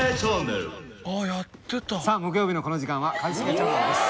さあ木曜日のこの時間は「一茂チャンネル」です。